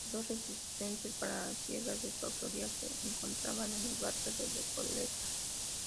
Dos residencias palaciegas de su autoría se encontraban en el barrio de Recoleta.